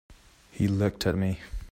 He looked at me.